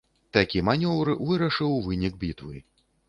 Такі манеўр вырашыў вынік бітвы.